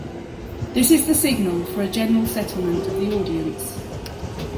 This is the signal for a general settlement of the audience.